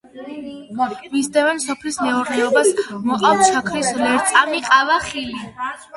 მისდევენ სოფლის მეურნეობას, მოყავთ შაქრის ლერწამი, ყავა, ხილი.